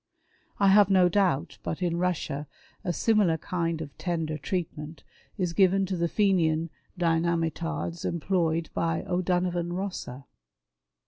I have no doubt but in Russia a similar kind of tender treatment is given to the Fenian dynamitards employed by O'Donovan Rossa.